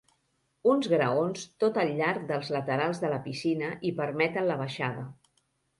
Uns graons tot al llarg dels laterals de la piscina hi permeten la baixada.